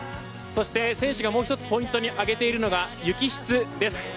そして選手が、もう１つポイントに挙げているのが雪質です。